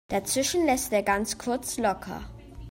Dazwischen lässt er ganz kurz locker.